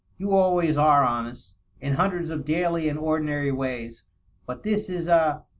You always are honesty in hundreds of daily and ordinary ways. But this is a